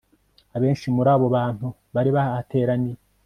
abenshi muri abo bantu bari bahateraniye